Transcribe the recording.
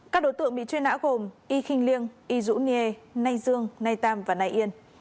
các đối tượng bị truy nã gồm y kinh liêng y dũ nghê nay dương nay tam và nay yên